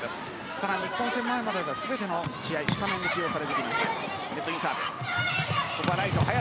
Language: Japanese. ただ日本戦の前までは全ての試合でスタメンで起用されてきました。